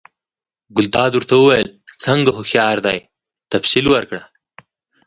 ګلداد ورته وویل: څنګه هوښیار دی، تفصیل ورکړه؟